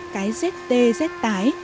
cái zt z tái